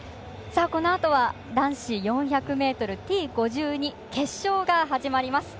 このあとは男子４００ｍＴ５２決勝が始まります。